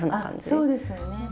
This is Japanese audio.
あそうですよね。